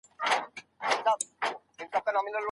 اقتصادي استقلال د هر هېواد هیله ده.